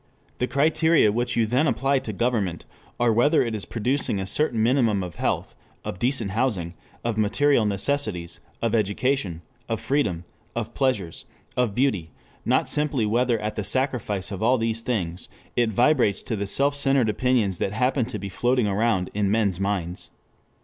The criteria which you then apply to government are whether it is producing a certain minimum of health, of decent housing, of material necessities, of education, of freedom, of pleasures, of beauty, not simply whether at the sacrifice of all these things, it vibrates to the self centered opinions that happen to be floating around in men's minds.